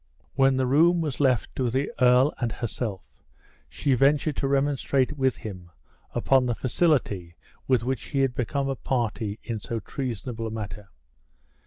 When the room was left to the earl and herself, she ventured to remonstrate with him upon the facility with which he had become a party in so treasonable a matter.